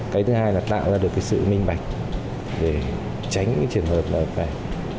cái thứ hai là tạo ra được cái sự minh bạch để tránh cái trường hợp này